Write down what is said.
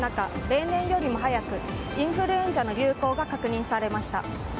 例年よりも早くインフルエンザの流行が確認されました。